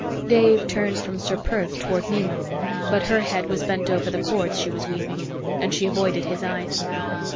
Dave turned from Ser Perth toward Nema, but her head was bent over the cords she was weaving, and she avoided his eyes.